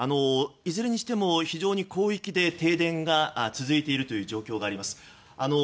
いずれにしても非常に広域で停電が続いているという状況があります。